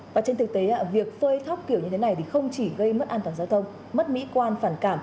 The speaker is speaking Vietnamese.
và trên thực tế việc phơi thóc kiểu như thế này không chỉ gây mất an toàn giao thông mất mỹ quan